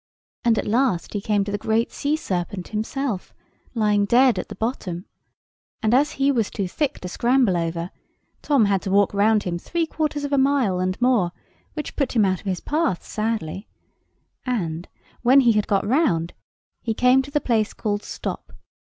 And at last he came to the great sea serpent himself, lying dead at the bottom; and as he was too thick to scramble over, Tom had to walk round him three quarters of a mile and more, which put him out of his path sadly; and, when he had got round, he came to the place called Stop.